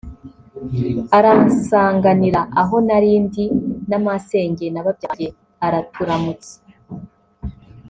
aransanganira aho nari ndi na masenge na babyara banjye araturamutsa